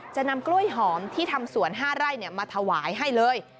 จะนำกล้วยหอมที่ทำสวน๕ไร่มาถวายให้เลย